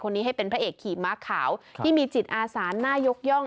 ให้เป็นพระเอกขี่ม้าขาวที่มีจิตอาสานน่ายกย่อง